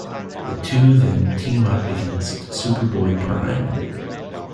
The two then team up against Superboy-Prime.